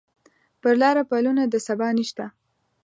پر لاره پلونه د سبا نشته